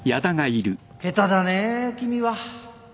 下手だねぇ君は。